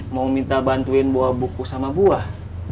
mau minta bantuin buah buku sama buah